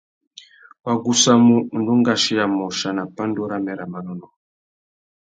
Wa gussamú undú ngʼachiya môchia nà pandú râmê râ manônôh.